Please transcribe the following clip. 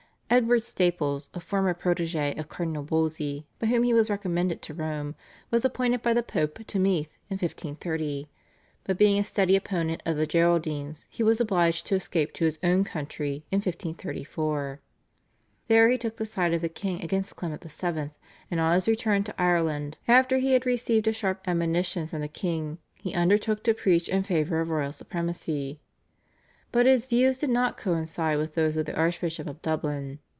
Edward Staples, a former protégé of Cardinal Wolsey, by whom he was recommended to Rome, was appointed by the Pope to Meath in 1530, but being a steady opponent of the Geraldines he was obliged to escape to his own country in 1534. There he took the side of the king against Clement VII., and on his return to Ireland, after he had received a sharp admonition from the king, he undertook to preach in favour of royal supremacy. But his views did not coincide with those of the Archbishop of Dublin.